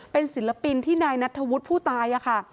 เป็นศิลปินที่นายนัทธวุฒิผู้ตายค่ะ